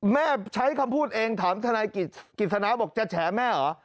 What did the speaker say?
แม่ใช้คำพูดเองถามทนายกิจสนาบอกจะแฉแม่เหรอ